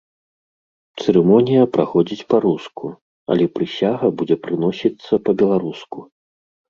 Цырымонія праходзіць па-руску, але прысяга будзе прыносіцца па-беларуску.